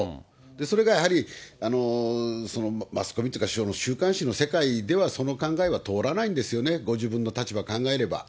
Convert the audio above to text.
それがやはり、マスコミっていうか、週刊誌のほうからすると、その考えは通らないんですよね、ご自分の立場考えれば。